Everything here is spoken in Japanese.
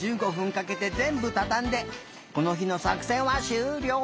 かけてぜんぶたたんでこのひのさくせんはしゅうりょう。